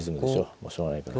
もうしょうがないから。